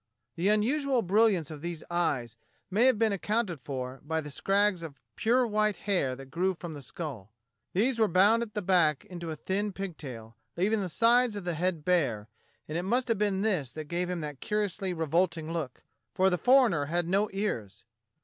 The unusual brilliance of these eyes may have been accounted for by the scrags of pure white hair that grew from the skull. These were bound at the back into a thin pigtail, leaving the sides of the head bare, and it must have been this that gave him that curiously revolting look, for the foreigner had no ears.